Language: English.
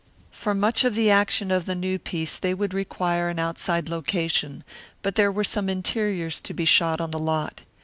For much of the action of the new piece they would require an outside location, but there were some interiors to be shot on the lot.